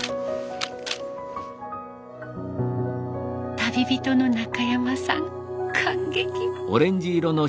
旅人の中山さん感激。